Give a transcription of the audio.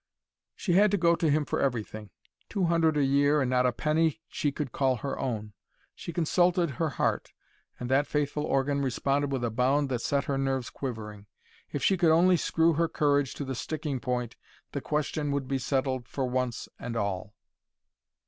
She had to go to him for everything. Two hundred a year and not a penny she could call her own! She consulted her heart, and that faithful organ responded with a bound that set her nerves quivering. If she could only screw her courage to the sticking point the question would be settled for once and all.